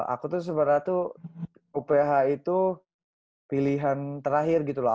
aku tuh sebenarnya tuh uph itu pilihan terakhir gitu loh